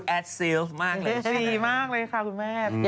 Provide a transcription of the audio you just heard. อย่าช่วงที่วิ่งอยู่ในสนามนี้โอเคนะ